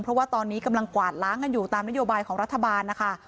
เพราะว่าตอนนี้กำลังกวาดล้างกันอยู่ตามนโยบายของรัฐบาลนะคะ